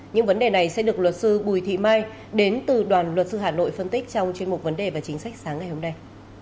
những vấn đề này sẽ được luật sư bùi thị mai đến từ đoàn luật sư hà nội phân tích trong chuyên mục vấn đề và chính sách sáng ngày hôm nay